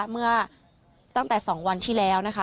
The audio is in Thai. เมื่อตั้งแต่๒วันที่แล้วนะคะ